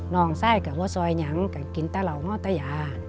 น้องใส่กับว่าซอยอย่างกับกินแต่เหล่าเมาตะยา